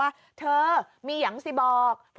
การนอนไม่จำเป็นต้องมีอะไรกัน